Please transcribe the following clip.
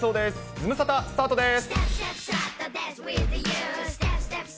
ズムサタ、スタートです。